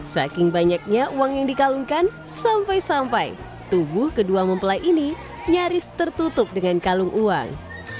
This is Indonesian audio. saking banyaknya uang yang dikalungkan sampai sampai tubuh kedua mempelai ini nyaris tertutup dengan kalung uang